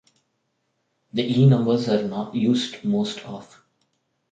The E numbers are used most often.